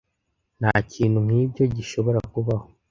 Ntakintu nkibyo gishobora kubaho.